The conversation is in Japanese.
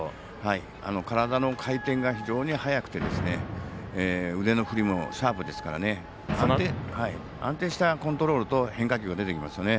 体の回転が非常に速くて腕の振りも安定したコントロールと変化球が出てきますよね。